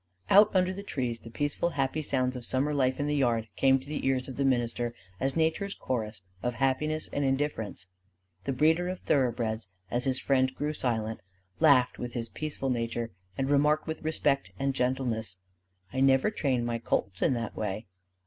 Out under the trees the peaceful happy sounds of summer life in the yard came to the ears of the minister as nature's chorus of happiness and indifference. The breeder of thoroughbreds, as his friend grew silent, laughed with his peaceful nature, and remarked with respect and gentleness: "I never train my colts in that way."